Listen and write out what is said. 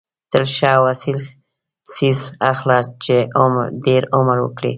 تل ښه او اصیل څیز اخله چې ډېر عمر وکړي.